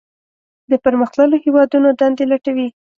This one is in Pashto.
د پرمختللو هیوادونو دندې لټوي.